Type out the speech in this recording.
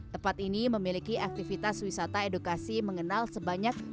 tempat ini memiliki aktivitas wisata edukasi mengenal sebanyak